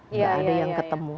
tidak ada yang ketemu